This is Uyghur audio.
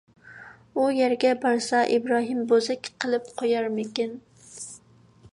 ئۇ يەرگە بارسا ئىبراھىم بوزەك قىلىپ قويارمىكىن.